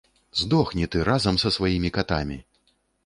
Здохні ты разам са сваімі катамі!